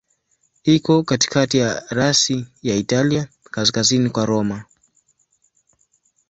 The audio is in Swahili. Iko katikati ya rasi ya Italia, kaskazini kwa Roma.